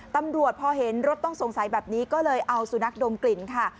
ตำรวจพอเห็นรถต้องสงสัยแบบนี้ก็เลยเอาสุนัขดมกลิ่นค่ะ